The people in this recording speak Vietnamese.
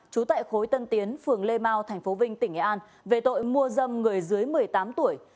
trú tại khối tân tiến phường lê mau tp vinh tỉnh nghệ an về tội mua dâm người dưới một mươi tám tuổi